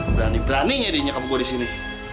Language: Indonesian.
berani berani nyedih nyekap gue di sini